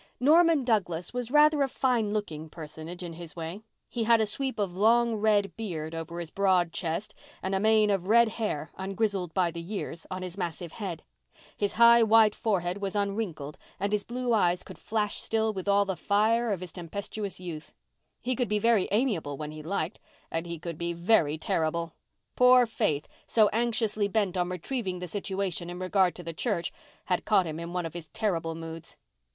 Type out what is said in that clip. Norman Douglas was rather a fine looking personage in his way. He had a sweep of long red beard over his broad chest and a mane of red hair, ungrizzled by the years, on his massive head. His high, white forehead was unwrinkled and his blue eyes could flash still with all the fire of his tempestuous youth. He could be very amiable when he liked, and he could be very terrible. Poor Faith, so anxiously bent on retrieving the situation in regard to the church, had caught him in one of his terrible moods.